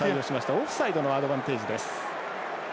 オフサイドのアドバンテージです。